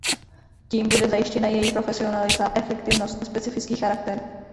Tím bude zajištěna její profesionalita, efektivnost a specifický charakter.